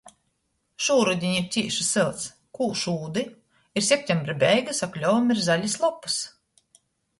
Šūrudiņ ir cīši sylts, kūž ūdi, ir septembra beigys, a kļovim ir zalis lopys.